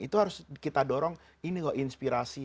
itu harus kita dorong ini loh inspirasi